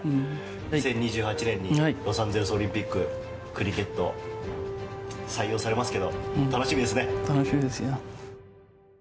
２０２８年にロサンゼルスオリンピッククリケット採用されますが楽しみですよ。